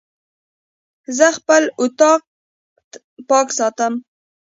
زه خپل اطاق پاک ساتم.